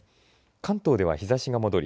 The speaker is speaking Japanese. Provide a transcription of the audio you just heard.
関東では日ざしが戻り